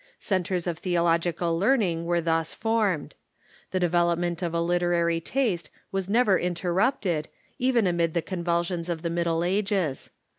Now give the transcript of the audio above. Centres cf theological learn ing were thus formed. The development of a literary taste was never interrupted, even amid the convulsions of the Mid dle Ages.